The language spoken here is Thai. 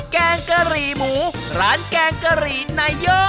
แกงกะหรี่หมูร้านแกงกะหรี่นาย่อ